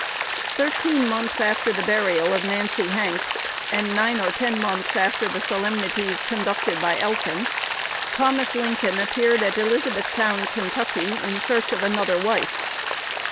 Thirteen months after the burial of Nancy Hanks, and nine or ten months after the solemnities conducted by Elkin, Thomas Lincoln appeared at Elizabethtown, Ky., in search of another wife.